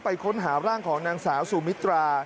ค้นหาร่างของนางสาวสุมิตรา